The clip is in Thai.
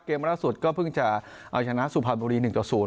เกมวันหน้าสุดก็เพิ่งจะเอาชนะสุภาบุรี๑๐